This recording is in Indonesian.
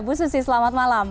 bu susi selamat malam